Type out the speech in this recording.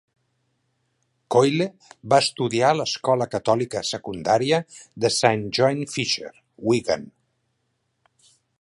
Coyle va estudiar a l'escola catòlica secundària de Saint John Fisher, Wigan.